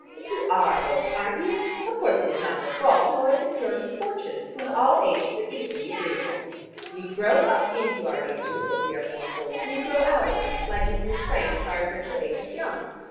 But you are old, aren't you? Of course it is not your fault, nor is it your misfortune, since all ages are equally agreeable. We grow up into our ages if we are born old, and we grow out of them, like missing a train, if our essential age is young.